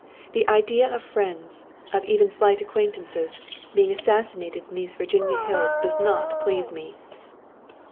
The idea of friends, of even slight acquaintances, being assassinated in these Virginia hills does not please me."